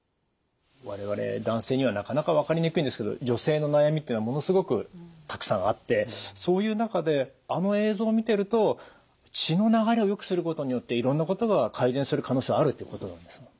我々男性にはなかなか分かりにくいんですけど女性の悩みっていうのはものすごくたくさんあってそういう中であの映像を見てると血の流れをよくすることによっていろんなことが改善する可能性はあるっていうことなんですか。